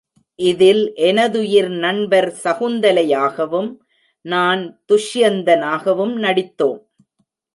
இதில் எனதுயிர் நண்பர் சகுந்தலை யாகவும், நான் துஷ்யந்தனாகவும் நடித்தோம்.